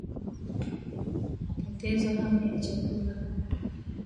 Kupoteza hamu ya chakula